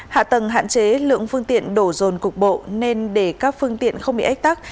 hạ tầng hạn chế lượng phương tiện đổ rồn cục bộ nên để các phương tiện không bị ách tắc